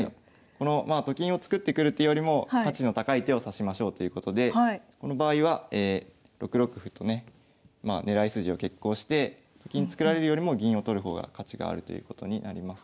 このと金を作ってくる手よりも価値の高い手を指しましょうということでこの場合は６六歩とね狙い筋を決行してと金作られるよりも銀を取る方が価値があるということになります。